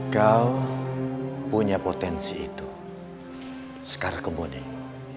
kau punya potensi itu sekar kemuning